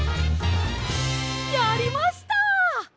やりました！